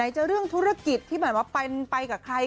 ไหนจะเรื่องธุรกิจที่หมายถึงว่าไปกับใคร